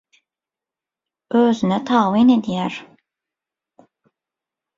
Özüne tabyn edýär.